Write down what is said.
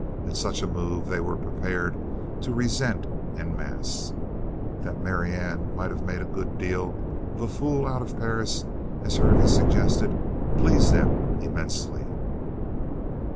And such a move they were prepared to resent en masse. That Marianne might have made a good deal of a fool out of Perris, as Hervey suggested, pleased them immensely.